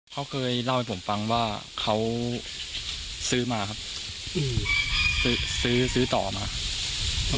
เขาเคยเล่าให้ผมฟังว่าเขาซื้อมาครับซื้อซื้อต่อมา